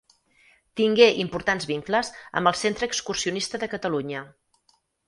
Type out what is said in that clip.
Tingué importants vincles amb el Centre Excursionista de Catalunya.